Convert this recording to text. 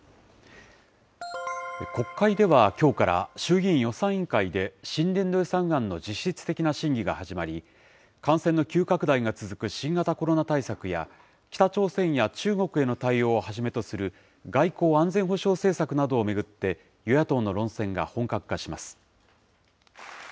国会では、きょうから衆議院予算委員会で新年度予算案の実質的な審議が始まり、感染の急拡大が続く新型コロナ対策や、北朝鮮や中国への対応をはじめとする外交・安全保障政策などを巡って、与野党の論戦が本格化します。